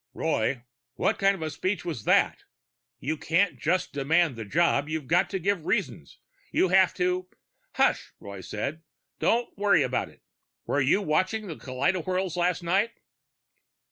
"Roy! What kind of a speech was that? You can't just demand the job! You've got to give reasons! You have to " "Hush," Walton said. "Don't worry about it. Were you watching the kaleidowhirls last night?"